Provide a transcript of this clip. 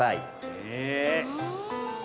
へえ。